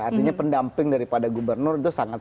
artinya pendamping daripada gubernur itu sangat